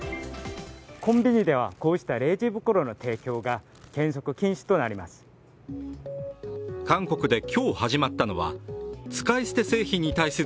コンビニではこうしたレジ袋の提供が原則禁止となります。